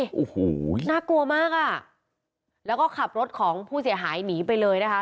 โอ้โหน่ากลัวมากอ่ะแล้วก็ขับรถของผู้เสียหายหนีไปเลยนะคะ